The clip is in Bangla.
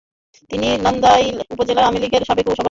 তিনি নান্দাইল উপজেলা আওয়ামী লীগের সাবেক সভাপতি।